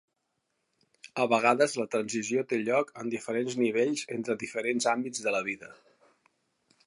A vegades, la transició té lloc en diferents nivells entre diferents àmbits de la vida.